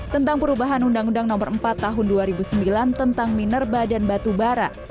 tentang perubahan undang undang no empat tahun dua ribu sembilan tentang minerba dan batu bara